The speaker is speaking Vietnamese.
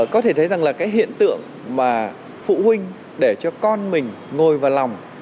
có thể thấy rằng là cái hiện tượng mà phụ huynh để cho con mình ngồi vào lòng